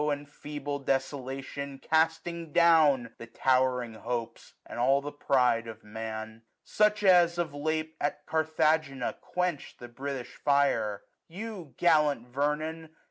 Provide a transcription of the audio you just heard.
And feeble desolation, casting down The towering hopes and all the pride of Man. Such as, of late, at Carthagena quenchM 1040 The British fire. You, gallant Vernon